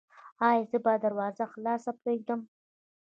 ایا زه باید دروازه خلاصه پریږدم؟